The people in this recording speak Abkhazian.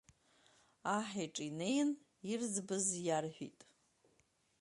Аҳ иҿы инеин, ирӡбыз иарҳәит…